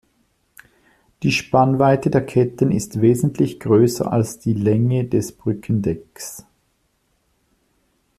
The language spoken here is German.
Die Spannweite der Ketten ist wesentlich größer als die Länge des Brückendecks.